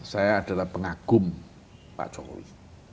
saya adalah pengagum pak jokowi